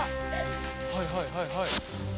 はいはいはいはい。